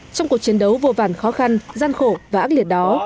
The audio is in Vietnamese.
trong cuộc chiến đấu vô vàn khó khăn gian khổ và ác liệt đó